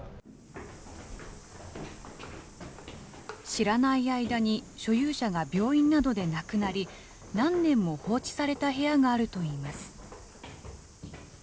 知らない間に所有者が病院などで亡くなり、何年も放置された部屋があるといいます。